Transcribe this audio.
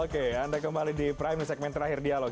oke anda kembali di segmen terakhir dialog